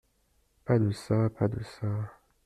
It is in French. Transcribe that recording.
Pas de ça, pas de ça.